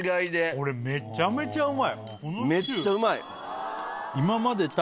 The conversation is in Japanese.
これめちゃめちゃうまい。